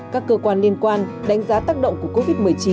các cơ quan liên quan đánh giá tác động của covid một mươi chín